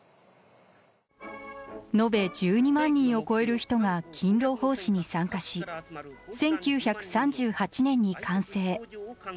延べ１２万人を超える人が勤労奉仕に参加し１９３８年に完成。